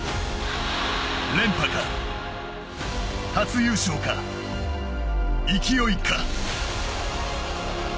連覇か、初優勝か、勢いか。